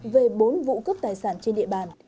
về bốn vụ cướp tài sản trên địa bàn